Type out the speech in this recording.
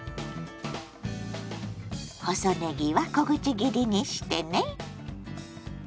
細ねぎは小口切りにしてね。